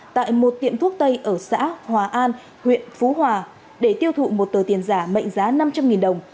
tại một tiệm thuốc tây ở xã hòa an huyện phú hòa để tiêu thụ một tờ tiền giả mệnh giá năm trăm linh đồng